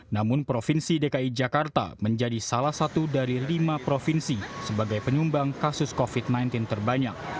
namun provinsi dki jakarta menjadi salah satu dari lima provinsi sebagai penyumbang kasus covid sembilan belas terbanyak